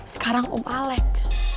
sekarang om alex